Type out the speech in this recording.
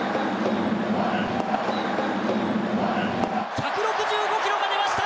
１６５ｋｍが出ました！